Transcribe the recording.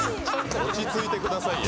落ち着いてくださいよ。